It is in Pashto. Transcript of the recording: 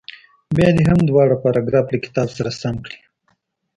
بیا دې هغه دواړه پاراګراف له کتاب سره سم کړي.